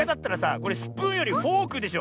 これスプーンよりフォークでしょ。